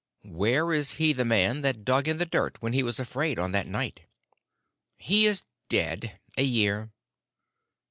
"Where is he the man that dug in the dirt when he was afraid on that night?" "He is dead a year."